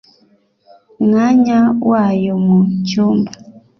mwanya wayo mu cyumba